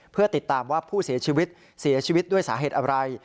เพื่อติดตามว่าผู้เสียชีวิตเสียชีวิตด้วยสาเหตุอะไร